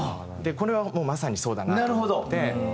これはまさにそうだなと思って。